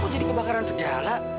kok jadi kebakaran segala